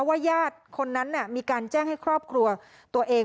ญาติคนนั้นมีการแจ้งให้ครอบครัวตัวเอง